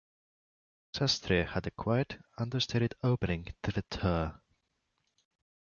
Sastre had a quiet, understated opening to the tour.